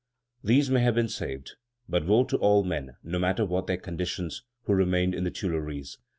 These may have been saved. But woe to all men, no matter what their conditions, who remained in the Tuileries!